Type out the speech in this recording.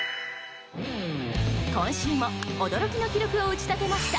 今週も驚きの記録を打ち立てました。